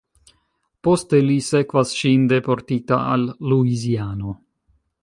Poste li sekvas ŝin, deportita al Luiziano.